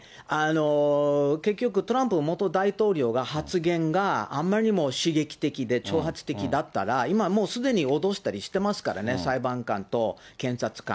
結局、トランプ元大統領の発言が、あまりにも刺激的で挑発的だったら、今、もうすでに脅したりしてますからね、裁判官と検察官。